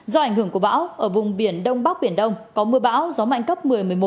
do ảnh hưởng của bão ở vùng biển đông bắc biển đông có mưa bão gió mạnh cấp một mươi một mươi một